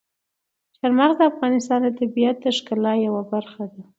چار مغز د افغانستان د طبیعت د ښکلا یوه برخه ده.